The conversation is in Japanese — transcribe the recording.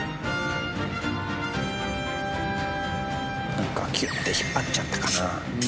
なんかギュッて引っ張っちゃったかな？